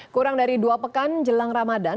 kurang dari dua pekan jelang ramadan